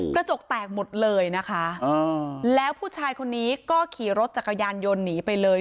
กระจกแตกหมดเลยนะคะแล้วผู้ชายคนนี้ก็ขี่รถจักรยานยนต์หนีไปเลย